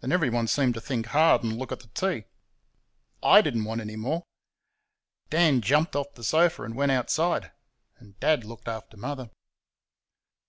Then everyone seemed to think hard and look at the tea. I did n't want any more. Dan jumped off the sofa and went outside; and Dad looked after Mother.